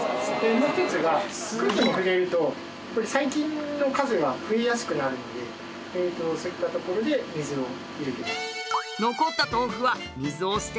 もう一つが空気に触れると細菌の数が増えやすくなるのでそういったところで水を入れています。